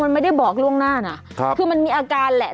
มันไม่ได้บอกล่วงหน้านะคือมันมีอาการแหละ